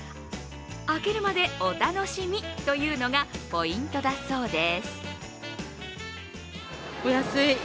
開けるまでお楽しみというのがポイントだそうです。